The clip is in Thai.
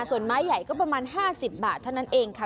ส่วนไม้ใหญ่ก็ประมาณ๕๐บาทเท่านั้นเองค่ะ